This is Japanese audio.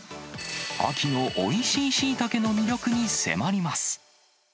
秋のおいしいシイタケの魅力に迫ります。